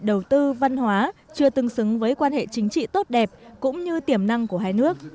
đầu tư văn hóa chưa tương xứng với quan hệ chính trị tốt đẹp cũng như tiềm năng của hai nước